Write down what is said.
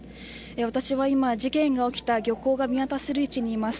私は今、事件が起きた漁港が見渡せる位置にいます。